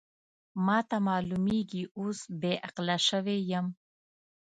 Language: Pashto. ما ته معلومېږي اوس بې عقله شوې یم.